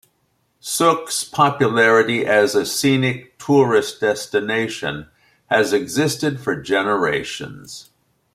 Sooke's popularity as a scenic tourist destination has existed for generations.